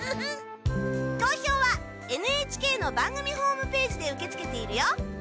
投票はＮＨＫの番組ホームページで受けつけているよ！